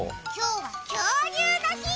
今日は恐竜の日！